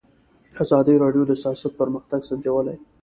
ازادي راډیو د سیاست پرمختګ سنجولی.